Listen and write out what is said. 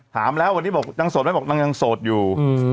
ถามแล้วไปให้บอกดังสดไม่บอกมึงสดอยู่